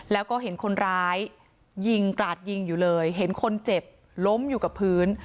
แล้วก็เห็นคนร้ายยิงกราดยิงอยู่เลยเห็นคนเจ็บล้มอยู่กับพื้น